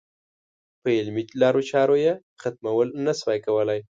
په علمي لارو چارو یې ختمول نه شوای کولای.